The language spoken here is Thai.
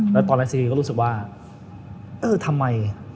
แล้วตอนแรกสีเคยก็รู้สึกว่าเออทำไม